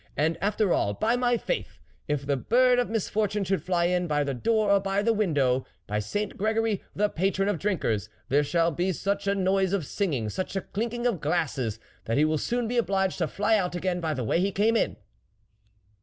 And, after all, by my faith ! if the bird of misfortune should fly in, by the door or by the win dow, by Saint Gregory, the patron of drinkers, there shall be such a noise of singing, such a clinking of glasses, that he will soon be obliged to fly out again by the way he came in